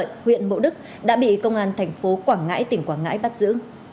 đối tượng là huyện bộ đức đã bị công an thành phố quảng ngãi tỉnh quảng ngãi bắt giữ